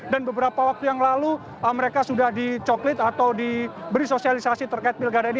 dan beberapa waktu yang lalu mereka sudah dicoklit atau diberi sosialisasi terkait pilgadah ini